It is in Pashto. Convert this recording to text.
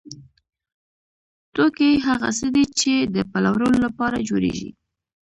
توکي هغه څه دي چې د پلورلو لپاره جوړیږي.